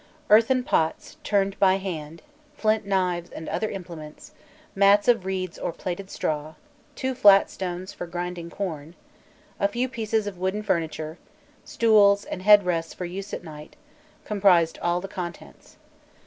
Earthen pots, turned by hand, flint knives and other implements, mats of reeds or plaited straw, two flat stones for grinding corn, a few pieces of wooden furniture, stools, and head rests for use at night, comprised all the contents.